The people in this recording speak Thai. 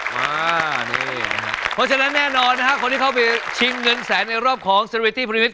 เพราะฉะนั้นแน่นอนนะฮะคนที่เข้าไปชิงเงินแสนในรอบของเซรเวตี้ภูริวิท